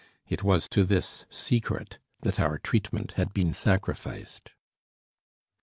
It was to this "secret" that our treatment had been sacrificed.